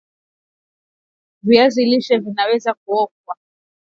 Viazi lishe vinaweza kuokwa